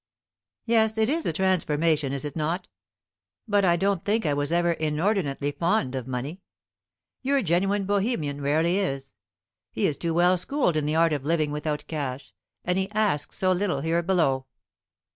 "Yes; it is a transformation, is it not? But I don't think I was ever inordinately fond of money. Your genuine Bohemian rarely is. He is too well schooled in the art of living without cash, and he asks so little here below.